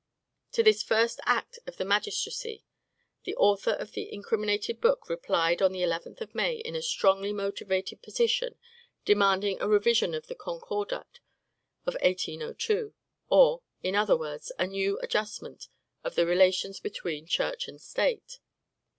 To this first act of the magistracy, the author of the incriminated book replied on the 11th of May in a strongly motived petition, demanding a revision of the concordat of 1802; or, in other words, a new adjustment of the relations between Church and State.